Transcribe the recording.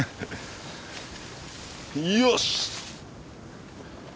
よし！